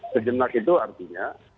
sejenak itu artinya